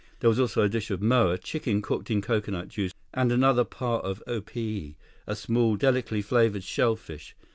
There was also a dish of moa, chicken cooked in coconut juice, and another pa of opihi, a small, delicately flavored shell fish.